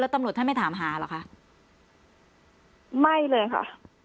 ตำรวจท่านไม่ถามหาเหรอคะไม่เลยค่ะ